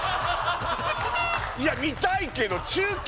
いや見たいけど中継！？